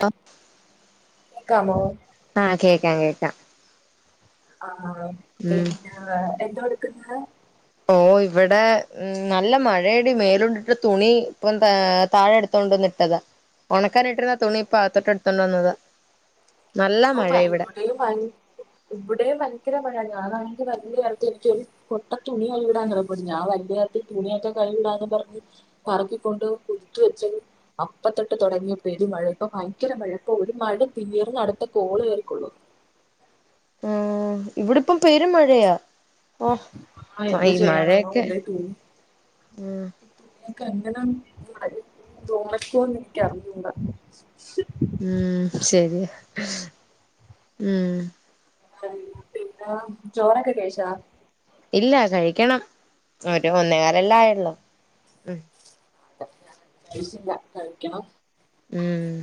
ക ക്കമോ ആഹ് കേൾക്കാം കേൾക്കാം ആഹ് പിന്നെ എന്താണ് പിന്നെ ഓ ഇവിടെ ഹ് നല്ല മഴ എടി മേലുണ്ട്ട്ട തുണി ഇപ്പം താ താഴെ എട്ത്തോണ്ട് വന്നിട്ടതാ. ഒണക്കാനിട്ടിരുന്ന തുണി ഇപ്പ അകത്തേട്ട് എടുത്തോണ്ട് വന്നതാ. നല്ല മഴ [inaudible] ഇവിടെ ഇബടെയും ഭയങ്കര മഴാടി ഞാനാണെങ്കിൽ വല്ല്യ [unintelligible] കൊട്ട തുണി അയ വിടാൻ [unintelligible] ഞാൻ വലിയ [unintelligible] തുണിയൊക്കെ കഴ് വിടാന്ന് പറഞ്ഞ് പറമ്പിക്കൊണ്ടോയ് കുട്ത്ത് വെച്ചതും അപ്പ തൊട്ട് തൊടങ്ങിയ പെരു മഴ. ഇപ്പ ഭയങ്കര മഴ ഇപ്പൊ ഒരു മഴ പിന്നിട്ട് നട ത്ത കോള് കേറിക്കൊള്ളു. ആ ഇവിടെ ഇപ്പം പെരു മഴയാ ഓ ആഹ് ഇപ്പ എന്ത് ഈ ചെയ്യാനാണോ മഴയെക്കെ ആഹ് ഇങ്ങക്ക് എങ്ങനേം ഇവ്ടെ തോണി ക്കൂന്ന് എനിക്ക് അറിഞ്ഞൂട. ഉം ശെരിയാ ഉം പിന്നാ ചോറൊക്കെ കഴിച്ചാ? ഇല്ല കഴിക്കണം ഒരു ഒന്നേകാലല്ലേ ആയൊള്ളൂ. മ് കഴിച്ചില്ല കഴിക്കണം. ഉം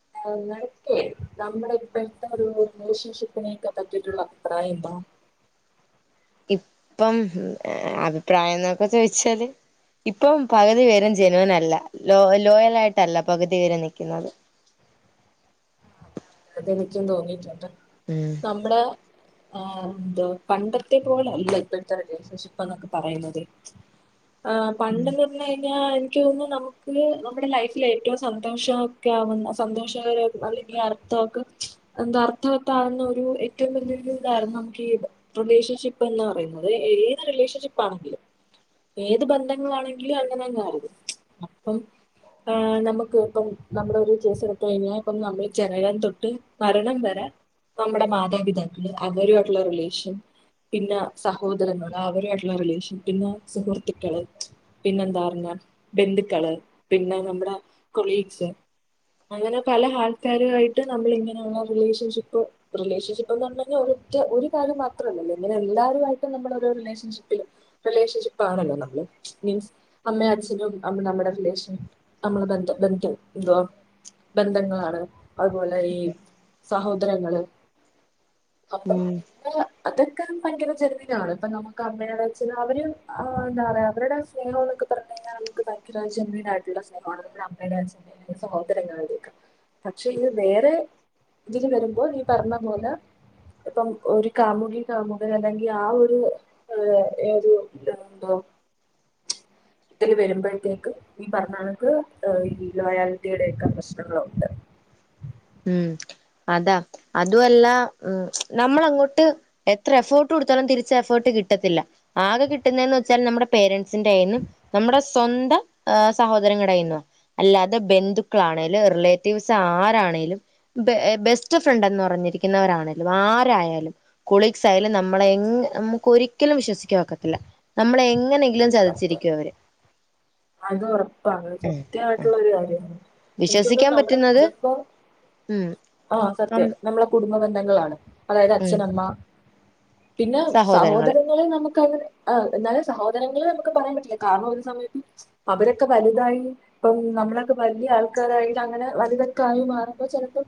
[inaudible] നിങ്ങൾക്കെ നമ്മടെ ഇപ്പോഴത്തെ ഒരു റിലേഷൻഷിപ്പിനെയൊക്കെ പറ്റിട്ട്ള്ള അഭിപ്രായം എന്താ? ഇപ്പം ഏ അഭിപ്രായം എന്നൊക്കെ ചോയിച്ചാല് ഇപ്പം പകുതി പേരും ജെനുവിന് അല്ല. ലോ ലോയൽ ആയിട്ടല്ല പകുതി പേരും നിക്ക്ന്നത്. എനിക്കും തോന്നിയിട്ടുണ്ട്. നമ്മുടെ ആഹ് എന്തോ പണ്ടത്തെ പോലെല്ല ഇപ്പത്തെ റിലേഷൻഷിപ്പ് എന്നൊക്കെ പറയുന്നത്. ആ പണ്ടെന്ന് പറഞ്ഞ് കഴിഞ്ഞാൽ [inaudible] നമുക്ക് നമ്മുടെ ലൈഫിൽ ഏറ്റവും സന്തോഷമൊക്കെ ആവുന്ന സന്തോഷകര അല്ലെങ്കിൽ അർ [inaudible] അർത്ഥവത് ആകുന്ന ഒരു ഏറ്റവും വലിയ ഇതായിരുന്നു നമുക്ക് ഈ റിലേഷൻഷിപ്പ് എന്ന് പറയുന്നത്. ഏത് റിലേഷൻഷിപ്പാണെങ്കിലും ഏത് ബന്ധങ്ങളാണെങ്കിലും അങ്ങനെന്നത് അപ്പം നമുക്ക് ഇപ്പം നമ്മുടെ ഒരു കേസ് എടുത്ത് കഴിഞ്ഞാൽ ഇപ്പം നമ്മള് ജനനം തൊട്ട് മരണം വരെ നമ്മുടെ മാതാപിതാക്കൾ അവരുമായിട്ടുള്ള റിലേഷൻ പിന്നെ സഹോദരങ്ങൾ അവരുയിട്ടുള്ള റിലേഷൻ പിന്നെ സുഹൃത്തുക്കൾ പിന്നെന്താ ബന്ധുക്കൾ പിന്നെ നമ്മുടെ കൊളീഗ്സ് അങ്ങനെ പല ആൾക്ക ക്കാരുമായിട്ട് നമ്മൾ ഇങ്ങനെയുള്ള റിലേഷൻഷിപ്പ് റിലേഷൻഷിപ്പ് എന്ന് പറഞ്ഞ ഒരൊറ്റ ഒരു [inaudible] മാത്രല്ലല്ലോ ഇങ്ങനെ എല്ലാവരുമായിട്ടും നമ്മളൊരു റിലേഷൻഷിപ്പിൽ റിലേഷൻഷിപ്പ് ആണല്ലോ നമ്മൾ മീൻസ് അമ്മേ അച്ഛനും നമ്മുടെ റിലേഷൻ നമ്മളെ ബന്ധ ബന്ധു എന്തോ ബന്ധങ്ങളാണ് അതുപോലെ ഈ സഹോദരങ്ങള് അപ്പം ഉം ഏഹ് അത് ആം ഭയങ്കര ജനുവിനാണ് ഇപ്പൊ നമുക്ക് അമ്മടെ ച്ചൻഅവര് എന്താ പറയാ അവരുടെ സ്നേഹം എന്നൊക്കെ പറഞ്ഞു കഴിഞ്ഞൽ നമുക്ക് ഭയങ്കര ജനവിനായിട്ടുള്ള സ്നേഹമാണ് അമ്മയുടെച്ഛ സഹോദരങ്ങളുടെ ഒക്കെ പക്ഷെ ഇത് വേറെ ഇതിൽ വരുമ്പോൾ ഈ പറഞ്ഞ പോലെ ഇപ്പം ഒരു കാമുകി കാമുകൻ അല്ലെങ്കിൽ ആ ഒരു ഒരു എന്തോ ഇതിൽ വരുമ്പോഴത്തേക്ക് ഈ പറഞ വർക്ക് ലോയാലട്ടിയയുടെയൊക്കെ പ്രശ്നങ്ങളുണ്ട് ഉം അതാ അതു അല്ല നമ്മൾ അങ്ങോട്ട് എത്ര എഫേർട്ട് കൊടുത്താലും തിരിച്ച എഫേർട്ട് കിട്ടത്തില്ല ആകെ കിട്ടുന്നന്ന് വെച്ചാല് നമ്മുടെ പേരൻ എന്റെ നമ്മുടെ സ്വന്തം സഹോദരങ്ങടെ കയ്യിന്നോ അല്ലാതെ ബന്ധുക്കളാണെലും റിലേറ്റീവ്സ് ആണെലും ആരാണേലും ബെസ്റ്റ് ഫ്രണ്ട്ന്ന് പറഞ്ഞിരിക്കുന്നവരാണെലും ആരായാലും കൊളീഗ്സ് ആയാലും നമ്മളെ നമക്ക് ഒരിക്കലും വിശ്വസിക്കനൊക്കത്തില്ല നമ്മളെ എങ്ങനെ സത്യം അത് ഉറപ്പാണ് ഉം ഉം സത്യയിട്ടുള്ള ഒരു കാര്യണ് എനിക്കൊന്നും വിശ്വസിക്കാൻ നമ്മുടെ പറ്റുന്നത് ഉം കുടുബംആ സത്യം ഉം നമ്മളെ കുടു ബന്ധങ്ങളാണ് അതായത് അച്ഛനമ്മ പിന്നെ സഹോദരങ്ങള് സഹോദരങ്ങളെ നമുക്ക് അങ്ങെ അഎന്നാലെ സഹോ [unintelligible] സഹോദരങ്ങൾ നമുക്ക് പറയാൻ പറ്റില്ല കാരണം ഒരു സമയത്ത് അവരൊക്കെ വലുതായി ഇപ്പം നമ്മളൊക്കെ വലിയ ആൾക്കാരായി അങ്ങനെ വലുതൊക്കെ ആയി മാറുമ്പോൾ ചിലപ്പോം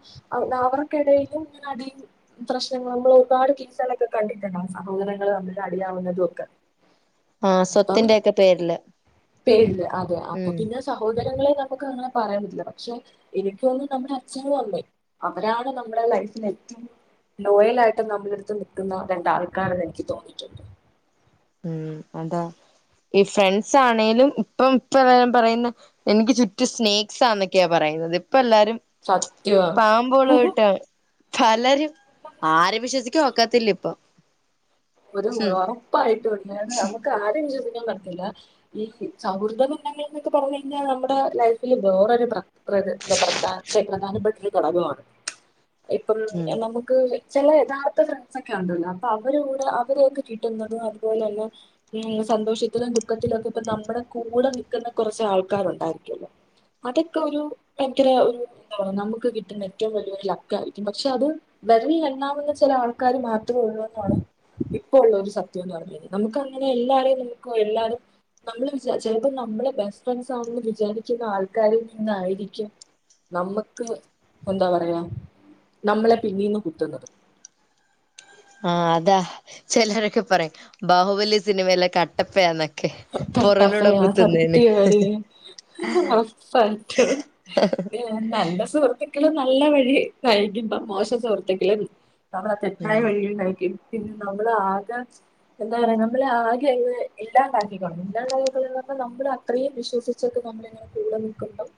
അവർക്കി ടയിലും അടി പ്രശ്നങ്ങളും നമ്മൾ ഒരുപാട് കിച്ചളൊക്കെ കണ്ടിട്ടുണ്ട് സഹോദരങ്ങള്ൾ നമ്മിൽ അടിയാവുന്നതും ഒക്കെ ആഹ് അപ്പം സ്വത്തിന്റെക്കെ പേരില് പേരില് അതെ അപ്പൊ ഉം പിന്നെ സഹോദരങ്ങളെ നമുക്ക് അങ്ങനെ പറയാൻ പറ്റില്ല പക്ഷെ എനക്കോന്നും നമ്മുടെ അച്ഛനും അമ്മേ അവരാണ് നമ്മുടെ ലൈഫിൽ ഏറ്റവും ലോയല ആയിട്ട് നമ്മളെടുത്ത് നിക്കുന്ന രണ്ടാൾക്കാരന്ന് എനിക്ക് തോന്നിയിട്ടുണ്ട് ഉം അതാ ഈ ഫ്രണ്ട്സ് ആണെിലും ഇപ്പം ഇപ്പ പറയുന്ന എനിക്ക് ചുറ്റും സ്നേക്സ് സാന്നൊക്കെയാ പറയുന്നത് ഇപ്പ എല്ലാരും സത്യവാ പാമ്പ് ഒന്നും ഇല്ല - ഫലരും ആരെ വിശ്വസി ഒക്കത്തില്ല ഇപ്പൊ ഒരു ഉം ഉറപ്പായിട്ട്ണ്ട് അ നമുക്ക് ആരും - [unintelligible] സൗഹൃദങ്ങൾ എന്നൊക്കെ പറഞ്ഞ കഴിഞ്ഞാൽ നമ്മുടെ ലൈഫില് വേറൊരു പ്രത് [unintelligible] തൊടങ്ങുവാണു ഇപ്പം ഉം നമുക്ക് ചില യഥാർത്ഥ ഫ്രണ്ട്സ് ഒക്കെ ഉണ്ടല്ലോ അപ്പൊ അവര്- അവരെയൊക്കെ കിട്ടുന്നതും അതുപോലെല്ലെ സന്തോഷത്തിലും ദുഃഖത്തിലുംക്കെ ഇപ്പ നമ്മുടെ കൂടെ നക്കുന്ന കുറച്ച് ആൾക്കാർ ഉണ്ടായിരിക്കല്ലോ അതൊക്കെ ഒരു എനിക്കൊരു നമുക്ക് കിട്ടുന്ന ഏറ്റവും വലിയഒരു ലക്ക ആയിരിക്കും പക്ഷെ അത് വെര ലിൽ എണ്ണാവുന്ന ചില ആൾക്കാർ മാത്രമേ ഉള്ളൂ എന്നാണ് ഇപ്പൊ ഉള്ള ഒരു സത്യം എന്ന് പറഞ്ഞു കഴിഞ്ഞാൽ നമുക്ക് അങ്ങനെ എല്ലാരെയും നമുക്ക് എല്ലാരും നമ്മള് വിചാ ചിലപ്പോ നമ്മളെ ബെസ്റ്റ് ഫ്രണ്ട്സ് ആണെന്ന് വിചാരിക്കുന്ന ആൾക്കാരിൽ നിന്നായിരിക്കും നമ്മക്ക് എന്താ പറയാ നമ്മളെ പിന്നീന്ന് കുത്തുന്നത് ആ അതാ ചിലരൊക്കെ പറയും ബാഹുബലി സിനിമയിലൊ കട്ടപ്പയാ ന്നെ കട്ടാപ്പയാ സത്യാടി ഇന്ന് ഒറപ്പയിട്ടുംനീ നല്ല സുഹൃത്തി നല്ല വഴി കഴക്കുമ്പ മോശം സുഹൃത്തുകളെ- അവടെ തെറ്റായ ഉം വഴിണ്ടായിരിക്കും പിന്നെ നമ്മൾ ആകെ എന്താ പറയാ നമ്മള് ആകെ എല്ലാം ഇല്ലാകൾന്ന് പറഞ്ഞ നമ്മൾ അത്രയും വിശ്വസിച്ചൊക്കെ നമ്മളിങ്ങനെ കൂടെ നിക്കു മ്പക്കണ്ട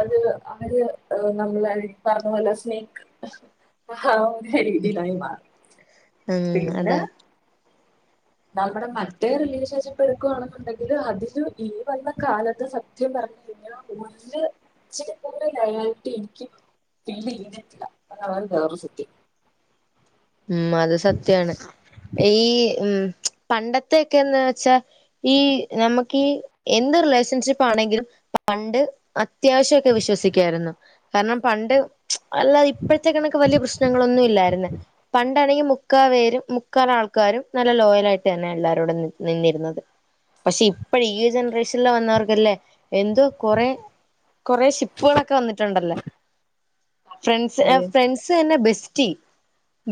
അത് ആര് നമ്മൾ പറഞ്ഞ പോലെ സ്നേക്ക് രീതിയിലായി മാറും മ്മ് അതെ എന്നാ നമ്മടെ മറ്റേ റിലീഷൻഷി ഇപ്പൊ എടുക്കുവാണെന്നുണ്ടെങ്കില് അതില് ഈ വന്ന കാലത്ത് സത്യം പറഞ്ഞ് കഴിഞ്ഞാ ഒരു ഇച്ചരി പോലും ലയാലിറ്റി എനിക്ക് ഫില്ല് ചെയ്തിട്ടില്ല അതാണ് വേറൊരുസത്യം ഉം അത് സത്യാണ് ഈ ഉം മ്ച്ച് പണ്ടത്തെയെക്കേന്ന് വെച്ചാ ഈ നമക്ക് ഈ എന്ത് റിലേഷൻഷിപ്പാണെങ്കിലും പണ്ട് അ ത്യാവശ്യ ഒക്കെ വിശ്വസിക്കായിരുന്നു കാരണം പണ്ട് മ്ച്ച് അല്ലാതെ ഇപ്പഴത്തെ കണക്ക് വലിയ പ്രശ്നങ്ങളൊന്നും ഇല്ലായിരുന്നെ പണ്ടാണെങ്കി മുക്കാ വേരും മുക്കാൽ ആൾക്കാരും നല്ല ലോയലായിട്ട് തന്നെ എല്ലാരോടും ന് നിന്നിരുന്നത് പക്ഷെ ഇപ്പഴ്‌ ഈ ജനറേഷനിൽ വന്നവർക്കല്ലേ എന്തോ കൊറേ കൊറേ ഷിപ്പുകളൊക്കെ വന്നിട്ടുണ്ടല്ലേ ഫ്രണ്ട്സ് ഏ എവിടെയോ ഫ്രണ്ട്സ് തന്നെ ബെസ് റ്റി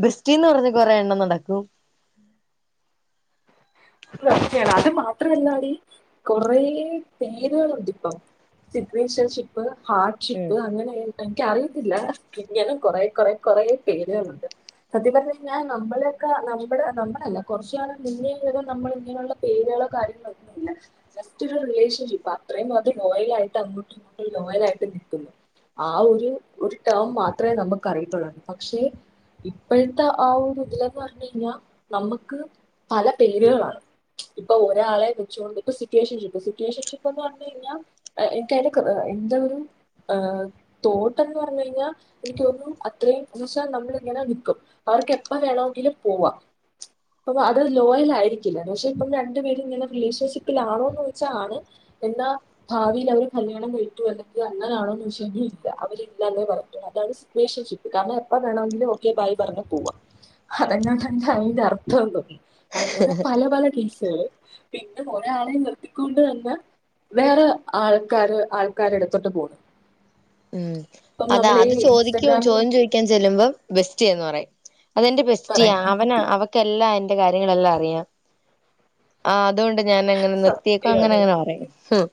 ബസ് റ്റീന്ന് പറഞ്ഞ് കൊറേ എണ്ണം നടക്കും [inaudible] ഇപ്പൊ ബെസ്റ്റിയാണ് അത് മാത്രമല്ലാടീ കൊറേ പേരുകളുണ്ട് ഇപ്പം സിറ്റുവേഷൻഷിപ്പ് ഉം ഹാർഡ്ഷിപ്പ് അങ്ങനെ ഏട്ടൻ ക്കറിയത്തില്ല ഇങ്ങനെ കൊറേ കൊറേ കൊറേ പേരുകളുണ്ട് സത്യം പറഞ്ഞ് കഴിഞ്ഞാൽ നമ്മളേക്കാ നമ്മടെ നമ്മളല്ല കൊറച്ച് നാൾ മുന്നേ ഇങ്ങ നമ്മളിങ്ങനെയുള്ള പേരുകളോ കാര്യങ്ങളോ ഒന്നുമില്ല ജസ്റ്റ് ഒരു റിലേഷൻഷിപ്പ് അത്രയും അത് നോയലായിട്ട് അങ്ങോട്ടും ഇങ്ങോട്ടും ലോയലായിട്ട് നിക്കുന്നു ആ ഒരു ഒരു ടേം മാത്രേ നമുക്ക് അറിയത്തൊള്ളായിരുന്ന് പക്ഷെ ഇപ്പഴത്തെ ആ ഒരു ഇതിലന്ന് പറഞ്ഞയ്ഞ്ഞാ നമ്മക്ക് പല പേരുകളാണ് ഇപ്പൊ ഒരാളെ വെച്ചുകൊണ്ട് ഇപ്പം സിറ്റുവേഷൻഷിപ്പ് സിറ്റുവേഷൻഷിപ്പെന്ന് പറഞ്ഞ് കഴിഞ്ഞാ എനിക്കതിന്റെയൊക്കെ ഒ എന്റെ ഒരു തോട്ടന്ന് പറഞ്ഞ് കഴിഞ്ഞ എനിക്ക് തോനുന്നു അത്രയും കൂശാൻ നമ്മളിങ്ങനെ നിക്കും അവർക്ക് എപ്പ വേണവെങ്കിലും പോവാം മ്ച്ച് അപ്പൊ അത് ലോയലായിരിക്കില്ല പക്ഷെ ഇപ്പം രണ്ടു വീടിങ്ങനെ റിലേഷൻഷിപ്പിലാണോന്ന് ചോയിച്ചാ ആണ് എന്താ ഭാവിയിൽ അവര് കല്യാണം കഴിച്ചു അല്ലെങ്കി അങ്ങനാണോന്ന് ചോദിച്ച് കഴിഞ്ഞ ഇല്ല അവരില്ലാന്നേ പറയ അതാണ് സിറ്റുവേഷൻഷിപ്പ് കാരണം എപ്പ വേണമെങ്കിലും ഓക്കെ ബായ് പറഞ്ഞു പോവാം അതന്നെ തന്നെ അതിന്റെ അർത്ഥം എന്നും അങ്ങനെ പല പല ടീസ് ഏ പിന്നെ ഒരാളെ നിർത്തിക്കൊണ്ട് തന്നെ വേറെ ആൾക്കാര് ആൾക്കാരടെ അടുത്തോട്ട് പോണ് ഉം ഇപ്പം അതാ നമ്മൾ ഈ അത് ചോദിക്കും ഇൻസ്റ്റഗ്രാമിൽ ചോദ്യം ചോദിക്കാൻ ചെല്ലുമ്പം ബെസ്റ്റിയാന്ന് പറയും അതെന്റെ ബെസ്റ്റിയ പറയും അവന് അങ്ങനത്തെ അവക്കെല്ലാം എന്റെ കാര്യങ്ങളെല്ലാം അറിയാം ആ അതുകൊണ്ട് ഞാനങ്ങനെ നിർത്തിയേക്കും അങ്ങനെ സത്യാണ് അങ്ങനെ പറയും ഹാ [inaudible]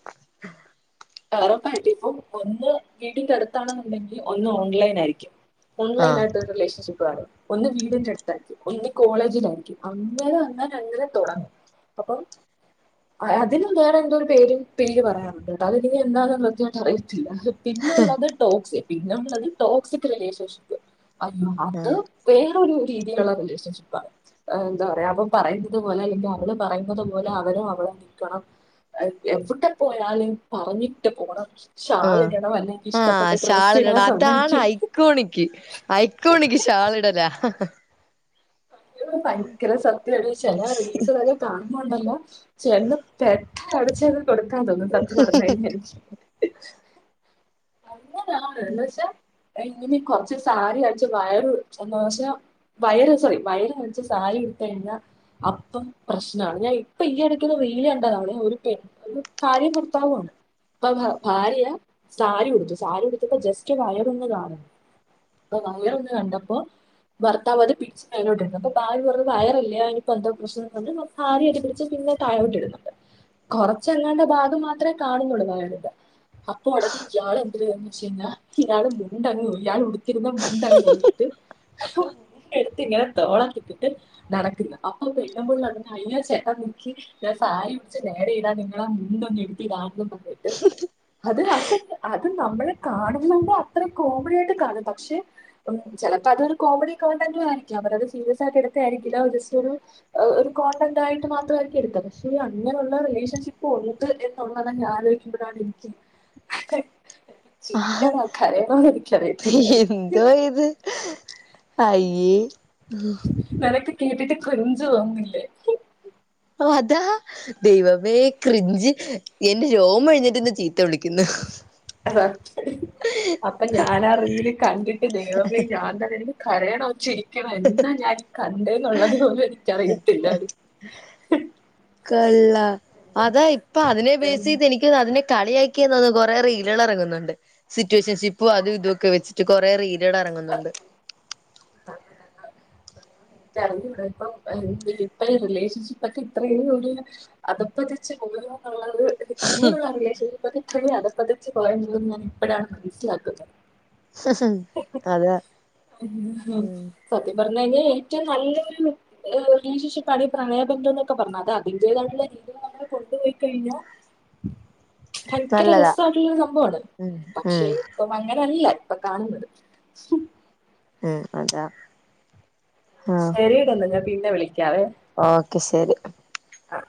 ഒറപ്പായിട്ടും ഇപ്പം ഒന്ന് വീട്ടിന്റെ അടുത്താണെന്നുണ്ടെങ്കി ഒന്ന് ഓൺലൈനായിരിക്കും ആഹ് ഓൺലൈനായിട്ടൊരു റിലേഷൻഷിപ്പ് ക്കവാറും ഒന്ന് വീടിന്റെ അടുത്തായിരിക്കും ഒന്നി കോളേജിലായിരിക്കും അങ്ങനെ അങ്ങനെ അങ്ങനെ തൊടങ്ങും അപ്പം അതിന് വേറെ എന്തോ ഒരു പേര് പേര് പറയാറുണ്ട് ട്ടതെനിക്ക് എന്താണെന്ന് കൃത്യവായിട്ട് അറയിത്തില്ല ത് പിന്നുള്ളത് ടോക്സി പിന്നെ ഒള്ളത് ടോക്സിക് റിലേഷൻഷിപ്പ് അയ്യോ അത് ആഹ് വേറൊരു രീതിയുള്ള റിലേഷൻഷിപ്പാണ് എന്താ പറയാ അവൻ പറയുന്നതു പോലെ അല്ലെങ്കിൽ അവള് പറയുന്നത് പോലെ അവനും അവളും നിക്കണം എവിടെ പോയാലും പറഞ്ഞിട്ട് പോണം ആ ആ ഷാള് ഇടാൻ ഇടണം അതാണ് സമ്മതിക്കും ഐക്കോണിക്ക് ഐക്കോണിക്ക് ഷാള് ഇടല ഭയങ്കര സത്യ ആടി ചില റിൽ സുകൾ കാണുമ്പ ണ്ടോ ചെന്ന് പെട്ട അടിച്ച് കൊടുക്കാൻ തോന്നും സത്യ പറഞ്ഞ അതിന് ശേഷം ച്ച് എന്ന് വച്ചാ എങ്ങനെ കുറച്ച് സാരി കാണിച്ച് വയറ് ഒ ച്ചെ വയറ് സോറി വയറ് കാണിച്ചു സാരി ഉടുത്തുക ഴിഞ്ഞാ അപ്പം പ്രശ്നമാണ് ഞാൻ ഇപ്പൊ ഈ ഇടയ്ക്കൊ വെയിലാണ്ടത അവിടെ ഒരു പെ ഒരു ഭാര്യ ഭർത്താവു ആാണ് അപ്പൊ ഭാര്യ സാരി കൊടുത്തു സാരി ഉടുത്തപ്പോ ജസ്റ്റ് വയറ ഒന്ന് കാണണം അപ്പൊ വയറൊന്ന് കണ്ടപ്പോ ഭർത്താവ് അത് പിടിച്ചു തലയിലോട്ട് ഇടുന്നു അപ്പൊ ഭാര്യ പറഞ്ഞു വയറില്ല അതിനിപ്പോ എന്തോ പ്രശ്നം ഉണ്ട് ഭാര്യ അത് പിടിച്ച് പിന്നെ തഴോട്ട് ഇടുന്നുണ്ട് കൊറച്ചെല്ലാണ്ട ഭാഗം മാത്രമേ കാണുന്നുള്ളൂ വയറിൻ്റെ അപ്പൊ [unintelligible] ഇയാൾ എന്തരു ചെയ്തു പിന്നെ ഇയാൾ മുണ്ടെന്നും ഇല്ലാതെ ഉടു ഉടുത്തിരുന്ന മുണ്ടങ്ങ് എടുത്ത് ഇങ്ങനെ തോളത്തിട്ടട്ട് നടക്കുന്നു അപ്പൊ പെണ്ണുപിള്ള അയ്യോ ചേട്ട നിക്ക് ഞാൻ സാരി പിടിച്ച് നേരെ ഇടാൻ നിങ്ങളെ മുണ്ട് ഒന്ന് എടുത്ത് താ ട്ട് അത് അത് നമ്മെള് കാണുന്നത് കൊണ്ടാ അത്ര കോമഡി ആയിട്ട് കാണും പക്ഷെ ചിലപ്പോ അതൊരു കോമഡി കോണ്ടന്റ ആയിരിക്കും അവരത് സീരിയസ് ആക്കി എടുത്ത ആയിരിക്കില്ല ജസ്റ്റ് ഒരു ഒരു കോൺണ്ടന്റ് ആയിട്ട് മാത്രമായിരിക്കും എടുക്ക പക്ഷേ അങ്ങനെയുള്ള റിലേഷൻഷിപ്പ് ഉണ്ട് എന്നുള്ളത് ആലോചിക്കുമ്പോഴാണ് എനിക്ക് ആ ചിരിക്കാൻ കരയണമെന്ന് എനിക്കറിയത്തില്ലായിരുന്നു എന്തോ ഇത് അയ്യേ നിനക്കിനി കേട്ടിട്ട് ക്രിഞ്ച് തോന്നുന്നില്ലേ ഓ അതാ ദൈവമേ ക്രിഞ്ച് എന്റെ രോമം എഴുന്നേറ്റ് നിന്ന് ചിരിച്ച് അപ്പൊ ഞാൻ ആ റീൽ കണ്ടിട്ട് ദൈവമേ ഞാൻ തന്നെ ഇരുന്നു കരയണോ ചിരിക്കണോ എന്താ ഞാൻ ഈ ഹ് കണ്ടെന്നുള്ളത് പോലും ഹ് എനിക്കറിയത്തില്ല കൊള്ളാ അതാ ഇപ്പ അതിനെ ബേസ് ചെയ്ത് എനിക്ക് അതിനെ കളിയാക്കിയാന്ന് തോന്നുന്നു കൊറേ റീലുകൾ ഇറങ്ങുന്നുണ്ട് സിറ്റുവേഷൻഷിപ്പും അതും ഇതും ഒക്കെ വെച്ചിട്ട് കുറൊ റീൽ റീലുകൾ ഇറങ്ങുന്നുണ്ട് എനിക്കറിഞ്ഞൂടാ എനിക്കറിഞ്ഞൂട ഇപ്പ ഈ റിലേഷൻഷിപ്പ് ഒക്കെ ഇത്രയും ഒരു അതപതിച്ചു പോയോ എന്നുള്ള അഹ് ഇങ്ങനെയുള്ള റിലേഷൻഷിപ്പ് ഒക്കെ ഇപ്പഴേ അകന്നാ പതിച്ചു പോയ ഞാൻ ഇപ്പോഴാണ് മനസ്സിലാക്കുന്നത് അതാ ഉം എന്ന ഇനി ഏറ്റവും നല്ലൊരു റിലീേഷൻഷിപ്പാണ് ഈ പ്രണയബന്ധം എന്നൊക്കെ പറഞ്ഞ അത് അതിന്റേതായിട്ടുള്ള രീതിയിൽ നമ്മൾ കൊണ്ടുപോയി കഴിഞ്ഞാ ഭയങ്കര നല്ലതാ രസമായിട്ടുള്ളൊരു സംഭവമാണ് ഉം ഉം പക്ഷെ ഇപ്പം അങ്ങനെല്ല അപ്പൊ കാണുന്നത് ഉം അതാ ആഹ് ശെരീടല്ല ഞാ പിന്നെ വിളിക്കാം ഓക്കെ ശരി ആ